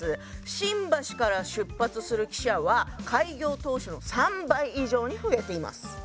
新橋から出発する汽車は開業当初の３倍以上に増えています。